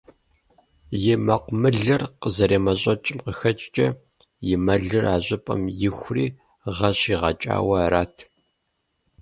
И мэкъумылэр къызэремэщӏэкӏым къыхэкӏкӏэ, и мэлыр а щӏыпӏэм ихури, гъэ щӏигъэкӏауэ арат.